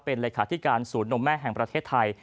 เป็นเลขาธิการศูนย์นมแม่แห่งประเทศไทย